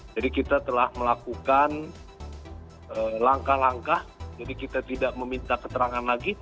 jadi kita telah melakukan langkah langkah jadi kita tidak meminta keterangan lagi